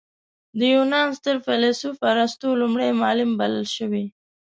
د یونان ستر فیلسوف ارسطو لومړی معلم بلل شوی.